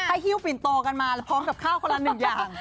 ให้ฮิวปินตอกันมาแล้วพร้อมกับข้าวคนละหนึ่งอย่าง